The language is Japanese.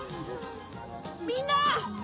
みんな！